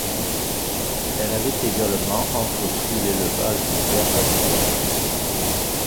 Elle avait également entrepris l’élevage du ver à soie.